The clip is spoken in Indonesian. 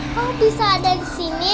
kau bisa ada disini